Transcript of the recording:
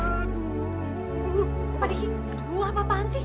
pak diki bu apa apaan sih